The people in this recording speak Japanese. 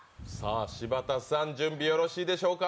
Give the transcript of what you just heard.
柴田さん、準備はよろしいですか？